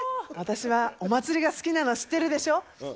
私はお祭りが好きなの、知ってるでしょ？